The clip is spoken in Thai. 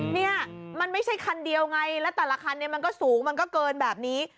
เนี่ยมันไม่ใช่คันเดียวไงแล้วแต่ละคันเนี่ยมันก็สูงมันก็เกินแบบนี้